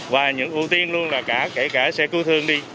và những ưu tiên luôn là cả kể cả xe cứu thương đi